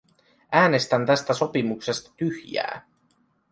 Äänestän tästä sopimuksesta tyhjää.